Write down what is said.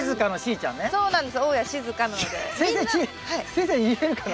先生言えるかな？